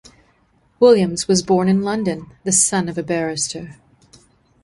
Williams was born in London, the son of a barrister.